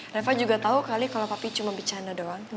reva juga tau kali kalau papi cuma bicara doang